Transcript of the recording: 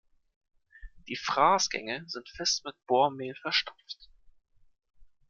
Die Fraßgänge sind fest mit Bohrmehl verstopft.